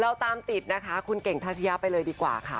เราตามติดนะคะคุณเก่งทัชยะไปเลยดีกว่าค่ะ